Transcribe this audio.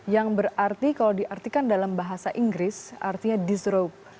yang berarti kalau diartikan dalam bahasa inggris artinya disrup